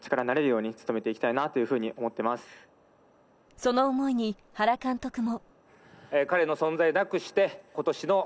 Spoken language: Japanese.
その思いに原監督も。